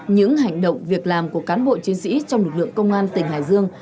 những hành động việc làm của cán bộ chiến sĩ trong lực lượng công an tỉnh hải dương